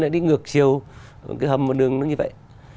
lại đi ngược chiều cái hầm một đường nó như vậy